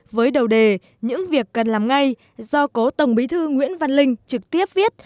với đầu đề những việc cần làm ngay do cố tổng bí thư nguyễn văn linh trực tiếp viết